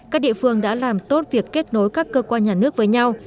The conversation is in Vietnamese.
các địa phương đã làm tốt việc kết nối các cơ quan nhà nước với nhau